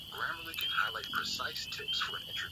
Rais Mteule amepokea taarifa kwa furaha